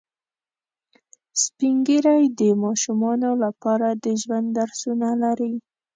سپین ږیری د ماشومانو لپاره د ژوند درسونه لري